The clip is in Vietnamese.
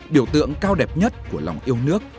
biểu tượng cao đẹp nhất của lòng yêu nước